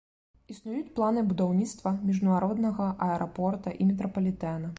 Існуюць планы будаўніцтва міжнароднага аэрапорта і метрапалітэна.